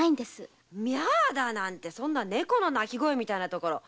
「ミャア」だなんてそんな猫の鳴き声みたいな所？